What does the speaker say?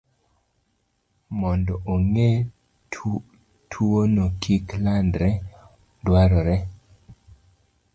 Mondo ogeng' tuwono kik landre, dwarore